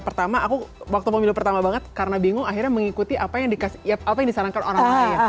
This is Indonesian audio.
pertama aku waktu pemilu pertama banget karena bingung akhirnya mengikuti apa yang disarankan orang lain